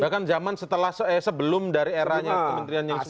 bahkan zaman sebelum dari eranya kementeriannya